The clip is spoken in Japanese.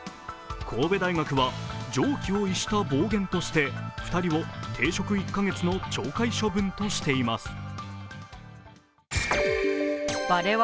神戸大学は常軌を逸した暴言として２人を停職１カ月の懲戒処分としています。